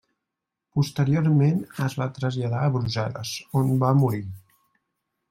Posteriorment es va traslladar a Brussel·les, on va morir.